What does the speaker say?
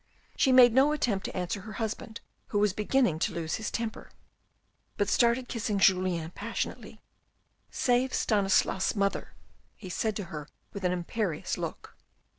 She made no attempt to answer her husband who was beginning to lose his temper, but started kissing Julien passionately. " Save Stanislas's mother," he said to her with an imperious look.